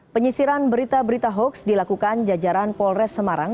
penyisiran berita berita hoax dilakukan jajaran polres semarang